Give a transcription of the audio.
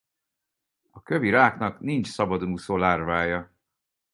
A kövi ráknak nincs szabadon úszó lárvája.